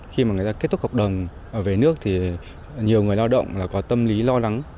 khi mà người ta kết thúc hợp đồng về nước thì nhiều người lao động là có tâm lý lo lắng